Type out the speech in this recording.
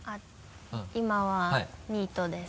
今はニートです。